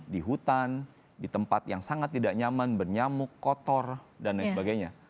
di hutan di tempat yang sangat tidak nyaman bernyamuk kotor dan lain sebagainya